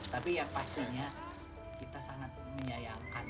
tapi yang pastinya kita sangat menyayangkan